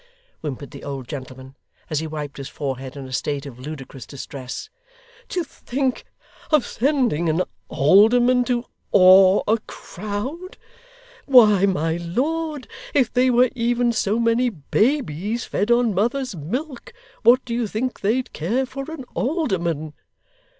whimpered the old gentleman, as he wiped his forehead in a state of ludicrous distress, 'to think of sending an alderman to awe a crowd! Why, my lord, if they were even so many babies, fed on mother's milk, what do you think they'd care for an alderman!